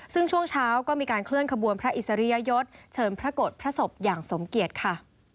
ซึ่งช่วงเช้าก็มีการเคลื่อนขบวนพระอิสริยยศเชิญพระกฏพระศพอย่างสมเกียจค่ะ